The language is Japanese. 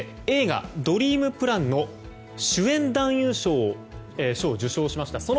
映画「ドリームプラン」の主演男優賞を受賞しました。